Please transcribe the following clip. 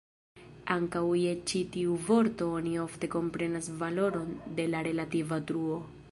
Ankaŭ je ĉi tiu vorto oni ofte komprenas valoron de la relativa truo.